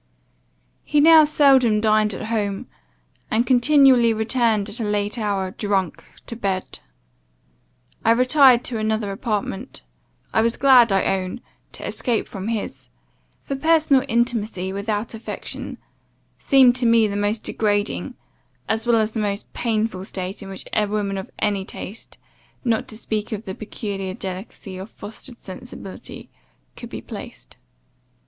"He now seldom dined at home, and continually returned at a late hour, drunk, to bed. I retired to another apartment; I was glad, I own, to escape from his; for personal intimacy without affection, seemed, to me the most degrading, as well as the most painful state in which a woman of any taste, not to speak of the peculiar delicacy of fostered sensibility, could be placed.